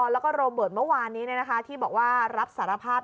และรมเบิร์ดเมื่อวานที่บอกว่ารับสารภาพ